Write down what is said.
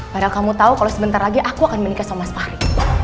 padahal kamu tahu kalau sebentar lagi aku akan menikah sama sahri